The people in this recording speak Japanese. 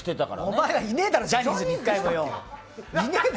お前はいねえだろう、ジャニーズに１回も。